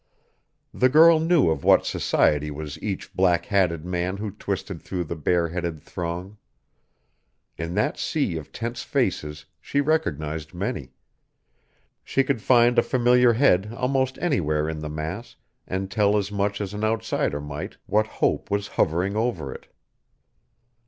The girl knew of what society was each black hatted man who twisted through the bareheaded throng; in that sea of tense faces she recognized many; she could find a familiar head almost anywhere in the mass and tell as much as an outsider might what hope was hovering over it.